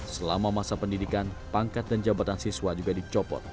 selama masa pendidikan pangkat dan jabatan siswa juga dicopot